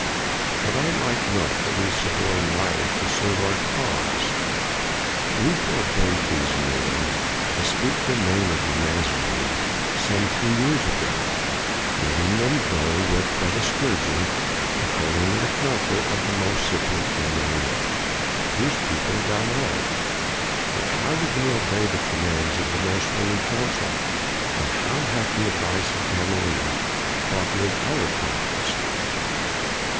But I like not that we suborn liars to serve our cause." "We forbade these men to speak the name of the Nazarene some three years ago, letting them go with but a scourging, according to the counsel of the most sapient Gamaliel, whose pupil thou art. But how did they obey the commands of the most holy Council, and how hath the advice of Gamaliel profited our cause?